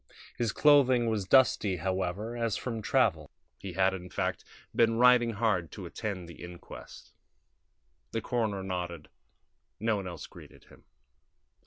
His clothing was dusty, however, as from travel. He had, in fact, been riding hard to attend the inquest. The coroner nodded; no one else greeted him.